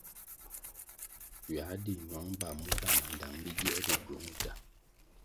Ywā dig ñwang ba mura nandtang bingier bi gywong o tah.